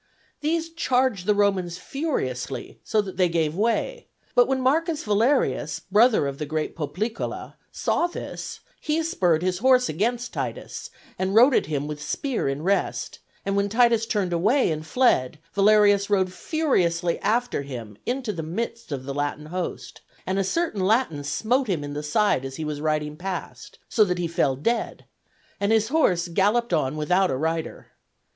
These charged the Romans furiously, so that they gave way; but when M. Valerius, brother of the great Poplicola, saw this, he spurred his horse against Titus, and rode at him with spear in rest; and when Titus turned away and fled, Valerius rode furiously after him into the midst of the Latin host, and a certain Latin smote him in the side as he was riding past, so that he fell dead, and his horse galloped on without a rider.